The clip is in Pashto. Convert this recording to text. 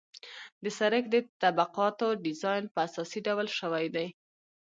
د سرک د طبقاتو ډیزاین په اساسي ډول شوی دی